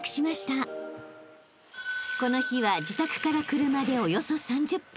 ［この日は自宅から車でおよそ３０分］